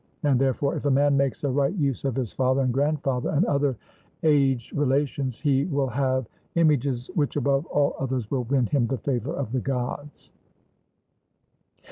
And therefore, if a man makes a right use of his father and grandfather and other aged relations, he will have images which above all others will win him the favour of the Gods.